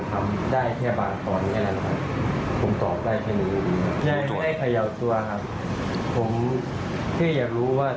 พอผมจะคุยแจ๊กก็เดินหนีอย่างนี้ครับ